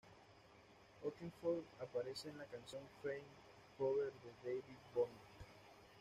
Oakenfold aparece en la canción "Fame", cover de David Bowie.